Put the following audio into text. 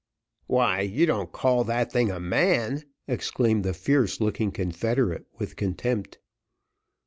"Why, you don't call that thing a man!" exclaimed the fierce looking confederate with contempt.